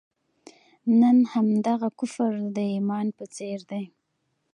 نن همدغه کفر د ایمان په څېر دی.